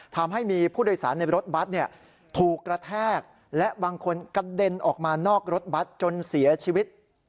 ทำให้มีผู้โดยสารในรถบัตรถูกกระแทกและบางคนกระเด็นออกมานอกรถบัตรจนเสียชีวิต